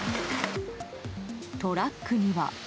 トラックには。